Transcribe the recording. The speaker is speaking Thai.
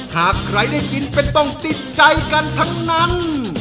หากใครได้กินเป็นต้องติดใจกันทั้งนั้น